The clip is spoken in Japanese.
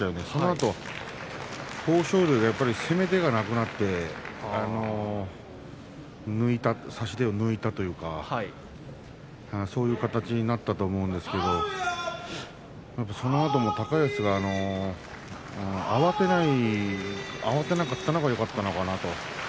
そのあと豊昇龍が攻め手がなくなって抜いた、差し手を抜いたというかそういう形になったと思うんですけれどそのあとも高安が慌てなかったのがよかったのかなと。